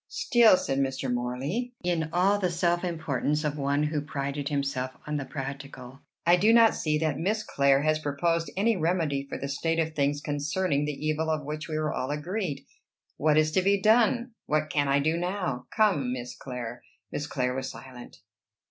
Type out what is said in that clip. "Still," said Mr. Morley, in all the self importance of one who prided himself on the practical, "I do not see that Miss Clare has proposed any remedy for the state of things concerning the evil of which we are all agreed. What is to be done? What can I do now? Come, Miss Clare." Miss Clare was silent.